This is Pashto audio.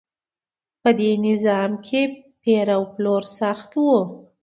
په دې نظام کې پیر او پلور سخت و.